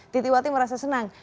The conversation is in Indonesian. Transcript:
titiwati merasa senang